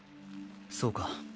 そうか。